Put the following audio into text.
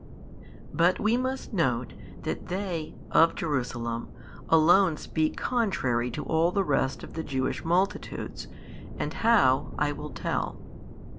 But we must note that they of Jerusalem alone speak contrary to all the rest of the Jewish multitudes, and how, I will tell.